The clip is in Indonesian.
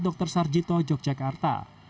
dokter sarjito yogyakarta